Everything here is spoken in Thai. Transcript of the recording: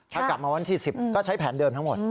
ถ้ากลับมาวันที่๑๐ก็ใช้แผนเดิมทั้งหมด